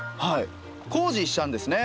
工事したんですね。